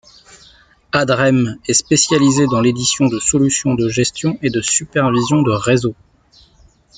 AdRem est spécialisée dans l'édition de solutions de gestion et de supervision de réseaux.